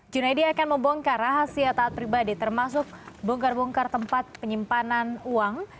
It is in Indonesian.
junaidi akan membongkar rahasia taat pribadi termasuk bongkar bongkar tempat penyimpanan uang